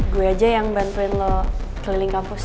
gue aja yang bantuin lo keliling kampus